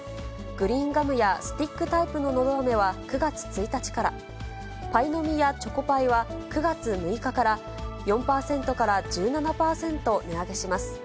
グリーンガムやスティックタイプののどあめは９月１日から、パイの実やチョコパイは９月６日から、４％から１７％値上げします。